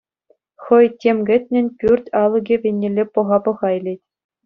Хӑй, тем кӗтнӗн, пӳрт алӑкӗ еннелле пӑха-пӑха илет.